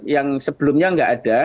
yang sebelumnya nggak ada